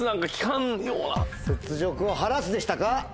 「雪辱を晴らす」でしたか？